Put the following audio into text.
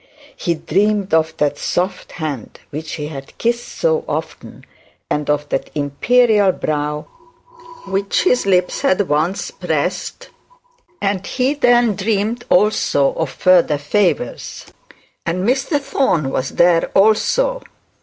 He dreamed of that soft hand which had kissed so often, and of the imperial brow which his lips had once pressed, and he then dreamed also of further favours. And Mr Thorne was there also.